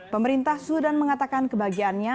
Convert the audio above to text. pemerintah sudan mengatakan kebahagiaannya